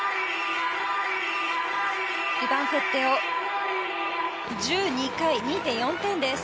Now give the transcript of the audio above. ドゥバンフェッテを１２回２．４点です。